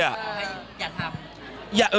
อยากทำ